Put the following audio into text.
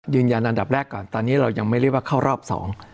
ยืนยันอันดับแรกก่อนตอนนี้เรายังไม่เรียกว่าเข้ารอบสอง